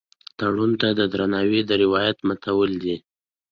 تړون ته د درناوي د روایت ماتول دي.